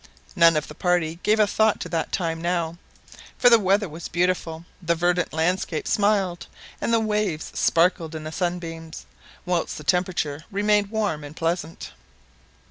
None of the party gave a thought to that time now; for the weather was beautiful, the verdant landscape smiled, and the waves sparkled in the sunbeams, whilst the temperature remained warm and pleasant.